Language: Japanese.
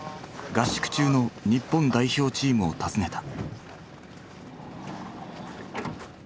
合宿中の日本代表チームを訪ねた。